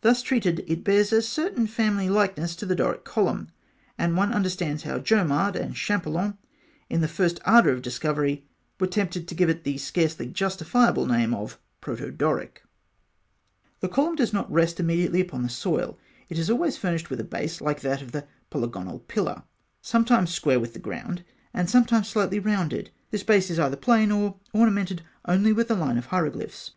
Thus treated, it bears a certain family likeness to the Doric column; and one understands how Jomard and Champollion, in the first ardour of discovery, were tempted to give it the scarcely justifiable name of "proto Doric." [Illustration: Fig. 59. Sixteen sided pillars, Karnak.] The column does not rest immediately upon the soil. It is always furnished with a base like that of the polygonal pillar, sometimes square with the ground, and sometimes slightly rounded. This base is either plain, or ornamented only with a line of hieroglyphs.